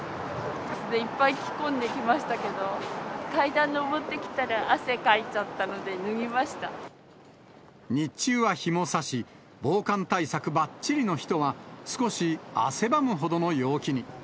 いっぱい着込んできましたけど、階段上ってきたら汗かいちゃ日中は日も差し、防寒対策ばっちりの人は、少し汗ばむほどの陽気に。